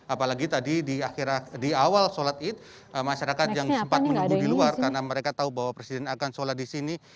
apalagi tadi di awal sholat id masyarakat yang sempat menunggu di luar karena mereka tahu bahwa presiden akan sholat di sini